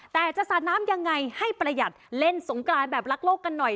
แต่จะสาดน้ำยังไงให้ประหยัดเล่นสงกรานแบบรักโลกกันหน่อย